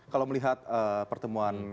kalau melihat pertemuan